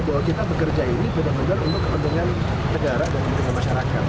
bahwa kita bekerja ini benar benar untuk kepentingan negara dan kepentingan masyarakat